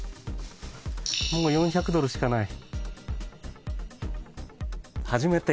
もう４００ドルしかない。